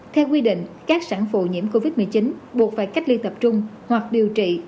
theo quy định các sản phụ nhiễm covid một mươi chín buộc phải cách ly tập trung hoặc điều trị